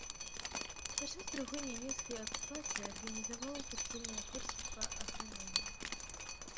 Падчас другой нямецкай акупацыі, арганізаваў падпольныя курсы па аграноміі.